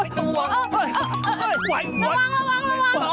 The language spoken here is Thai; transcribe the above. สมายมาก